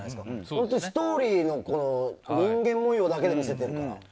本当にストーリーの人間模様だけで見せてるから。